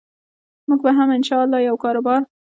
موږ به هم إن شاء الله یو کاربار